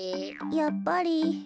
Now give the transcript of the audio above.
やっぱり。